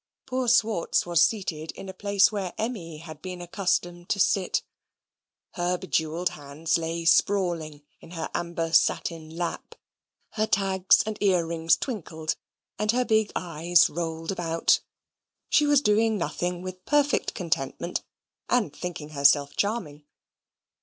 Poor Swartz was seated in a place where Emmy had been accustomed to sit. Her bejewelled hands lay sprawling in her amber satin lap. Her tags and ear rings twinkled, and her big eyes rolled about. She was doing nothing with perfect contentment, and thinking herself charming.